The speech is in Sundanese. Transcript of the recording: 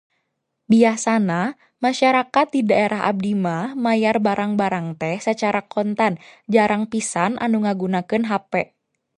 Biasana masarkat di daerah abdi mah mayar barang-barang teh sacara kontan jarang pisan anu ngagunakeun hape.